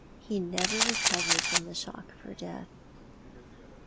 He never recovered from the shock of her death."